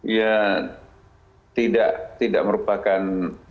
ya tidak tidak merupakan